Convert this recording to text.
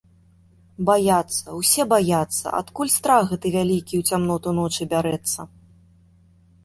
Баяцца, усе баяцца, адкуль страх гэты вялікі ў цямноту ночы бярэцца?